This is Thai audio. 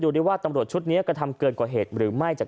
ดูดิว่าตำรวจชุดนี้กระทำเกินกว่าเหตุหรือไม่จาก